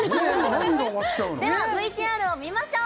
ではＶＴＲを見ましょう！